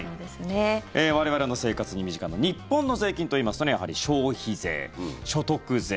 我々の生活に身近な日本の税金といいますとやはり消費税、所得税